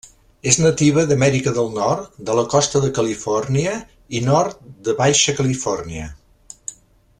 És nativa d'Amèrica del Nord, de la costa de Califòrnia i nord de Baixa Califòrnia.